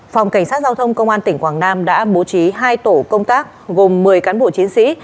phòng cảnh sát giao thông công an tỉnh quảng nam đã bố trí hai tổ công tác gồm một mươi cán bộ chiến sĩ